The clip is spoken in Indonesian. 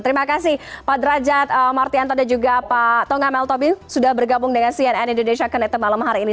terima kasih pak derajat martianto dan juga pak tongam l tobing sudah bergabung dengan cnn indonesia connected malam hari ini